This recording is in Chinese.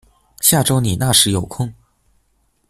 下周你那时有空